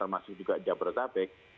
masuk juga jabodetabek